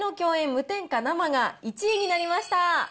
無添加生が１位になりました。